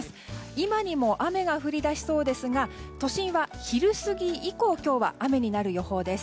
今にも雨が降り出しそうですが都心は昼過ぎ以降今日は雨になる予報です。